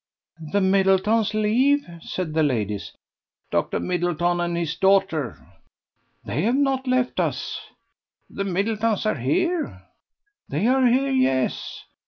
"The Middletons leave?" said the ladies. "Dr. Middleton and his daughter." "They have not left us." "The Middletons are here?" "They are here, yes.